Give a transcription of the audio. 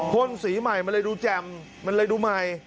พ่นสีใหม่มันเลยดูแจ่มมันเลยดูใหม่